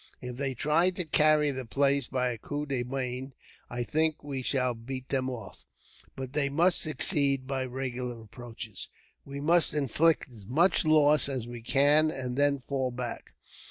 If they try to carry the place by a coup de main, I think we can beat them off, but they must succeed by regular approaches. "We must inflict as much loss as we can, and then fall back.